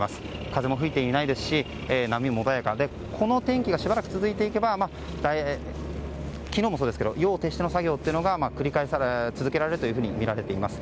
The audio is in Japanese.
風も吹いていないですし波も穏やかでこの天気がしばらく続いていけば昨日もそうですが夜を徹しての作業が繰り返され続けられるとみられています。